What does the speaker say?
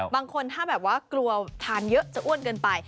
บางคนถ้าแบบว่ากลัวทานเยอะจะอ้วนเกินไป